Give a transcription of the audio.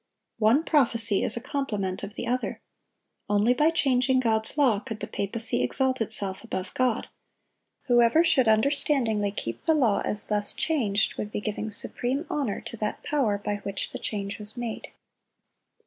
One prophecy is a complement of the other. Only by changing God's law could the papacy exalt itself above God; whoever should understandingly keep the law as thus changed would be giving supreme honor to that power by which the change was made.